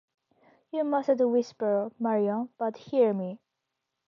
You mustn't whisper, Marion, but hear me.